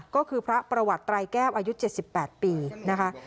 ก็คือพระประวัติไตรแก้วอายุ๗๘ปีนะคะ